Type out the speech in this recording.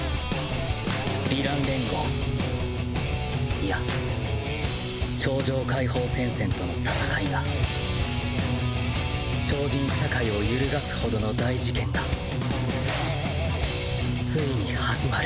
ヴィラン連合いや超常解放戦線との戦いが超人社会を揺るがすほどの大事件がついに始まる